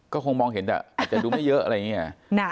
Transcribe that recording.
ก็คงมองเห็นแต่อาจจะดูไม่เยอะอะไรอย่างนี้